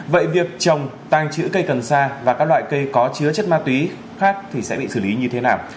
vậy việc trồng tăng chữ cây cần sa và các loại cây có chứa chất ma túy khác thì sẽ bị xử lý như thế nào